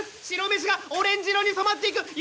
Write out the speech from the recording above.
白飯がオレンジ色に染まっていく。